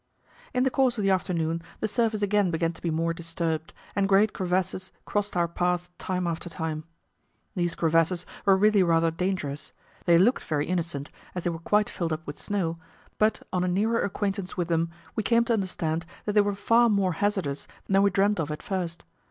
In the course of the afternoon the surface again began to be more disturbed, and great crevasses crossed our path time after time. These crevasses were really rather dangerous; they looked very innocent, as they were quite filled up with snow, but on a nearer acquaintance with them we came to understand that they were far more hazardous than we dreamed of at first.